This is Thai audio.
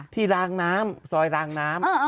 รางน้ำซอยรางน้ำ